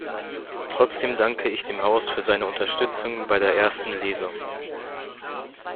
Trotzdem danke ich dem Haus für seine Unterstützung bei der ersten Lesung.